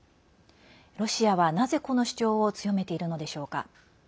ロシアはなぜ、この主張を強めているのでしょうか。